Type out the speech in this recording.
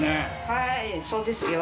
はいそうですよ。